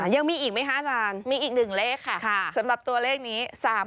ยังมีอีกไหมคะอาจารย์สำหรับตัวเลขนี้๓๖๖๓